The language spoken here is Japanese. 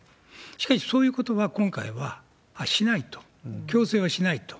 しかし、そういうことは、今回はしないと、強制はしないと。